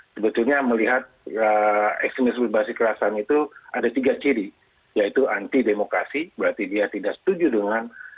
sebetulnya melihat ekstremisme berbasi kekerasan itu ada tiga ciri yaitu anti demokrasi berarti dia tidak setuju dengan